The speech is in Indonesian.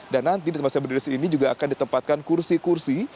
dan nanti di tempat saya berdiri disini juga akan ditempatkan kursi kursi